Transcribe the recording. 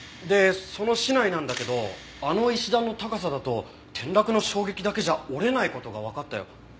でその竹刀なんだけどあの石段の高さだと転落の衝撃だけじゃ折れない事がわかったよ。